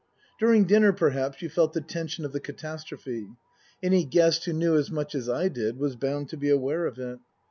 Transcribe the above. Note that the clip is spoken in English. During dinner, perhaps, you felt the tension of the catastrophe ; any guest who knew as much as I did was bound to be aware of it.